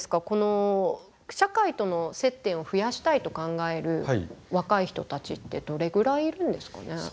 この社会との接点を増やしたいと考える若い人たちってどれぐらいいるんですかね？